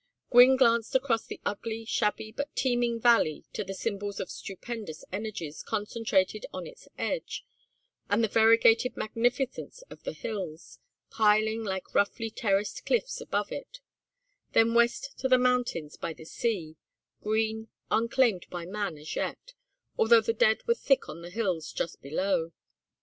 Gwynne glanced across the ugly shabby but teeming valley to the symbols of stupendous energies concentrated on its edge, and the variegated magnificence of the hills, piling like roughly terraced cliffs above it; then west to the mountains by the sea, green, unclaimed by man as yet, although the dead were thick on the hills just below.